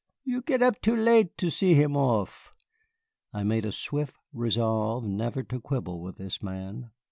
You git up too late see him off." I made a swift resolve never to quibble with this man.